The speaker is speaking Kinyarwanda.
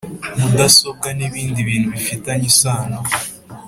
Mudasobwa n ibindi bintu bifitanye isano